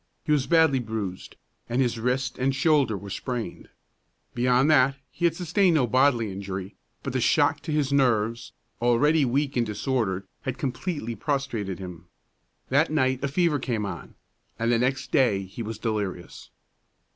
He was badly bruised, and his wrist and shoulder were sprained. Beyond that, he had sustained no bodily injury; but the shock to his nerves, already weak and disordered, had completely prostrated him. That night a fever came on, and the next day he was delirious.